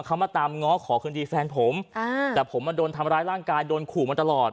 เขามาตามง้อขอคืนดีแฟนผมอ่าแต่ผมมาโดนทำร้ายร่างกายโดนขู่มาตลอด